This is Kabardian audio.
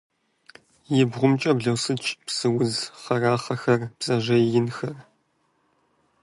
И бгъумкӀэ блосыкӀ псы удз хъэрахъэхэр, бдзэжьей инхэр.